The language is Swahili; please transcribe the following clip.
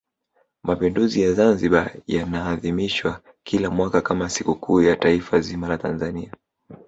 mapinduzi ya Zanzibar yanaadhimishwa kila mwaka kama sikukuu ya taifa zima la Tanzania